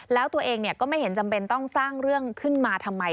แล้วตัวเองก็ไม่เห็นจำเป็นต้องสร้างเรื่องขึ้นมาทำไม